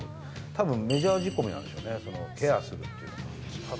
たぶん、メジャー仕込みなんでしょうね、ケアするっていうのが。